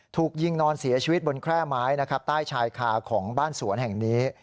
ถูกยิงนอนเสียชีวิตบนแคร่ไม้นะครับใต้ชายคาของบ้านสวนแห่งนี้